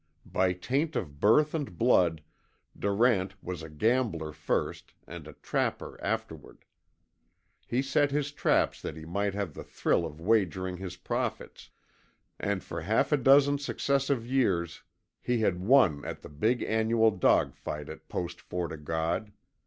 By taint of birth and blood Durant was a gambler first, and a trapper afterward. He set his traps that he might have the thrill of wagering his profits, and for half a dozen successive years he had won at the big annual dog fight at Post Fort O' God.